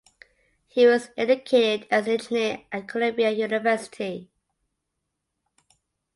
He was educated as an engineer at Columbia University.